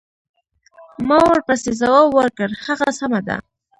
ما ورپسې ځواب ورکړ: هغه سمه ده.